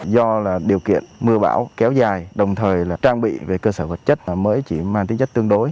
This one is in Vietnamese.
do điều kiện mưa bão kéo dài đồng thời là trang bị về cơ sở vật chất mới chỉ mang tính chất tương đối